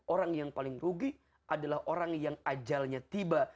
orang yang paling rugi adalah orang yang ajalnya tiba